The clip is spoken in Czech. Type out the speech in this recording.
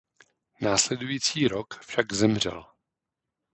Následující rok však zemřel.